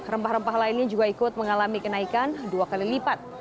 rempah rempah lainnya juga ikut mengalami kenaikan dua kali lipat